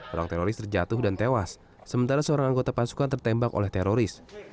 orang teroris terjatuh dan tewas sementara seorang anggota pasukan tertembak oleh teroris